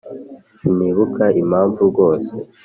sinibuka impamvu rwose